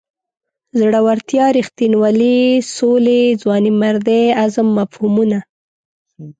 زړورتیا رښتینولۍ سولې ځوانمردۍ عزم مفهومونه.